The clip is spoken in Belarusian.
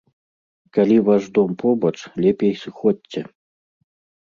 Калі ваш дом побач, лепей сыходзьце.